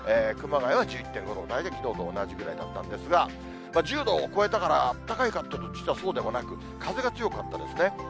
熊谷は１１．５度、大体、きのうと同じぐらいだったんですが、１０度を超えたからあったかいかというと、実はそうでもなく、風が強かったですね。